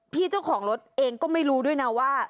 พี่เจ้าลุยรถเองก็ไม่รู้นะว่า